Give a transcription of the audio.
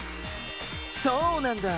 そうなんだ。